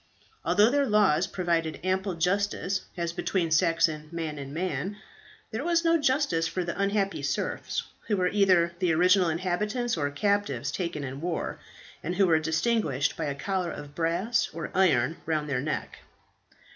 Although their laws provided ample justice as between Saxon man and man, there was no justice for the unhappy serfs, who were either the original inhabitants or captives taken in war, and who were distinguished by a collar of brass or iron round their neck.